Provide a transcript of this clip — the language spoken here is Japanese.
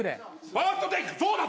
ファーストテイクそうだ